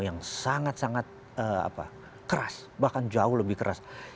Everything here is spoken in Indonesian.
yang sangat sangat keras bahkan jauh lebih keras